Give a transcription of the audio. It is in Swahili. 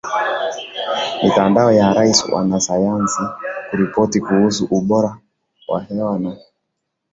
mitandao ya raia wanasayansi kuripoti kuhusu ubora wa hewa na